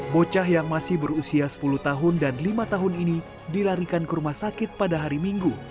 bocah yang masih berusia sepuluh tahun dan lima tahun ini dilarikan ke rumah sakit pada hari minggu